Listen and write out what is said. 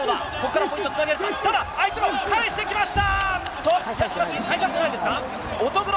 ただ、相手も返してきました！